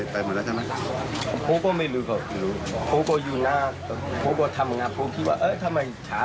ไปหมดแล้วใช่ไหม